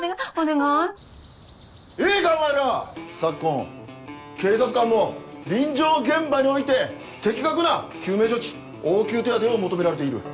いいかお前ら昨今警察官も臨場現場において的確な救命処置応急手当てを求められている。